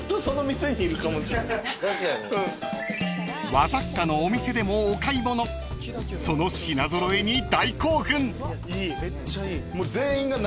［和雑貨のお店でもお買い物その品揃えに大興奮］